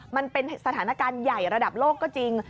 มันเป็นสถานการณ์ใหญ่ระดับโลกก็จริง